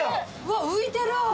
うわっ浮いてるわ！